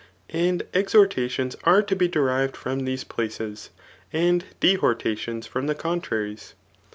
And exhortations are to be derived from these places, and dehortations from the contraries.